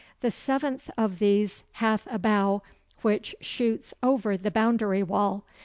The seventh of these hath a bough which shoots over the boundary wall.